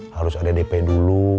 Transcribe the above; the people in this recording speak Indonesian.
harus ada dp dulu